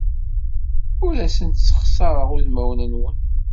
Ur asent-ssexṣareɣ udmawen-nwen.